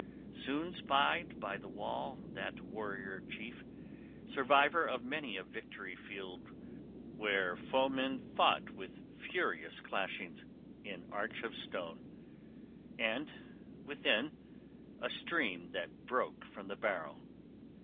Soon spied by the wall that warrior chief, survivor of many a victory field where foemen fought with furious clashings, an arch of stone; and within, a stream that broke from the barrow.